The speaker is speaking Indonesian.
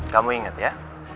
kamu ingat ya